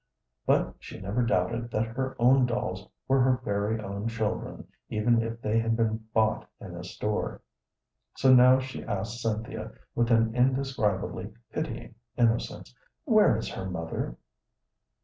But she never doubted that her own dolls were her very own children even if they had been bought in a store. So now she asked Cynthia with an indescribably pitying innocence, "Where is her mother?"